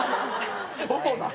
そうなん？